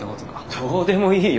どうでもいいよ